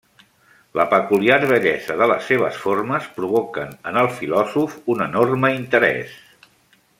La peculiar bellesa de les seves formes provoquen en el filòsof un enorme interès.